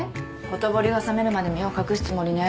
ほとぼりが冷めるまで身を隠すつもりね。